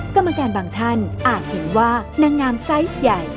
กรรมการบางท่านอาจเห็นว่านางงามไซส์ใหญ่